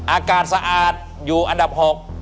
อากาศสะอาดอยู่อันดับ๖